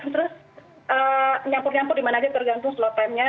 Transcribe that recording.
terus nyampur nyampur di mana aja tergantung slot timenya